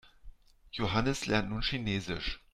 Johannes lernt nun Chinesisch.